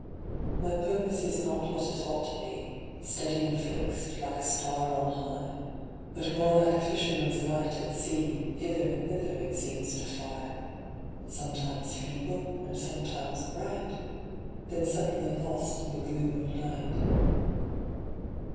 My purpose is not what it ought to be, Steady and fixed, like a star on high, But more like a fisherman's light at sea; Hither and thither it seems to fly— Sometimes feeble, and sometimes bright, Then suddenly lost in the gloom of night.